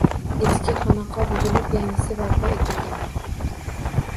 Eski xonaqo buzilib, yangisi barpo etilgan